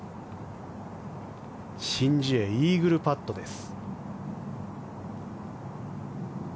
シン・ジエイーグルパットです。